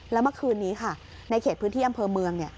แล้วเมื่อคืนนี้ค่ะในเขตพื้นที่อำเภอเมือง